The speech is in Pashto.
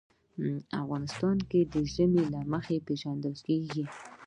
افغانستان د ژمی له مخې پېژندل کېږي.